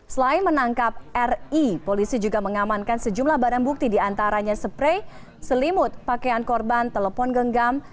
selain menangkap ri polisi juga mengamankan sejumlah barang bukti diantaranya spray selimut pakaian korban telepon genggam